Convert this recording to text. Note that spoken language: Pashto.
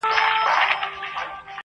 خو نه بینا سول نه یې سترګي په دعا سمېږي!